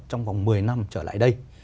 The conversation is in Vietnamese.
trong vòng một mươi năm trở lại đây